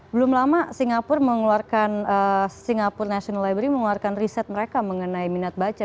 belum lama singapura national library mengeluarkan riset mereka mengenai minat baca